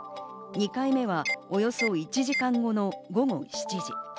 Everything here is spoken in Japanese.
２回目はおよそ１時間後の午後７時。